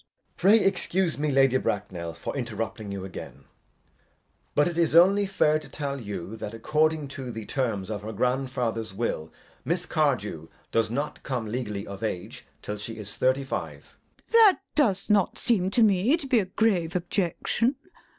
JACK. Pray excuse me, Lady Bracknell, for interrupting you again, but it is only fair to tell you that according to the terms of her grandfather's will Miss Cardew does not come legally of age till she is thirty five. LADY BRACKNELL. That does not seem to me to be a grave objection.